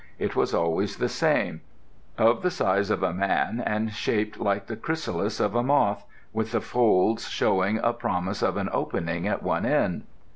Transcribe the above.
It was always the same: of the size of a man and shaped like the chrysalis of a moth, with the folds showing a promise of an opening at one end.